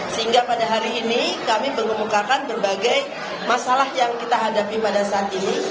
sehingga pada hari ini kami mengemukakan berbagai masalah yang kita hadapi pada saat ini